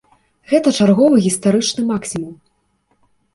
Гэта чарговы гістарычны максімум.